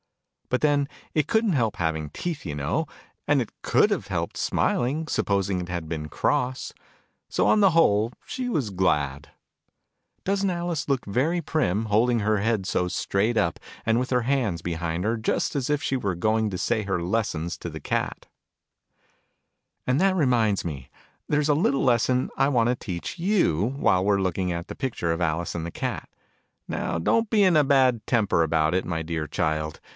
But then, it couldn't help having teeth, you know : and it could have helped smiling, supposing it had been cross. So, on the whole, she was glad. Doesn't Alice look very prim, holding her head so straight up, and with her hands behind her, just as if she were going to say her lessons to the Cat ! Digitized by Google And that reminds me. There's a little lesson I want to teach you, while we're looking at this pic ture of Alice and the Cat. Now don't be in a bad temper about it, my dear Child